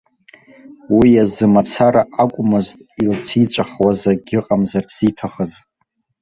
Уи азы мацара акәмызт илцәиҵәахуаз акгьы ыҟамзарц зиҭахыз.